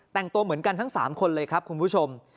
แต่งตัวเหมือนกันทั้ง๓คนเลยครับคุณผู้ชม